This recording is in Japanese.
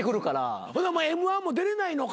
ほなＭ−１も出れないのか？